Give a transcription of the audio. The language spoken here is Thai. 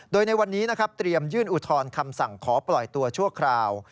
โดยในวันนี้นะครับเตรียมยื่นอุทธรณ์คำสั่งขอปล่อยตัวชั่วคราว